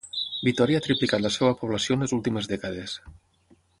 Vitòria ha triplicat la seva població en les últimes dècades.